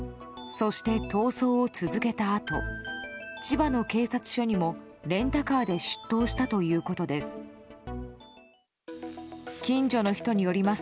そして、逃走を続けたあと千葉の警察署にもレンタカーで出頭したということです。